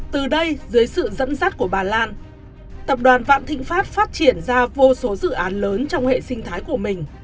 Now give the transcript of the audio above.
từ đây dưới sự dẫn dắt của bà lan tập đoàn vạn thịnh pháp phát triển ra vô số dự án lớn trong hệ sinh thái của mình